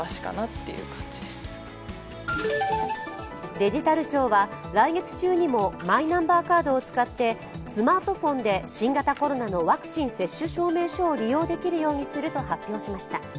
デジタル庁は来月中にもマイナンバーカードを使ってスマートフォンで新型コロナのワクチン接種証明書を利用できるようにすると発表しました。